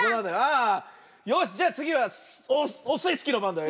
よしじゃあつぎはオスイスキーのばんだよ。